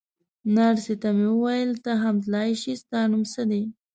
نرسې ته مې وویل: ته هم تلای شې، ستا نوم څه دی؟